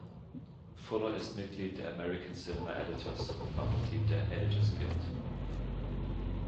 Fuller ist Mitglied der American Cinema Editors und war Mitglied der Editors Guild.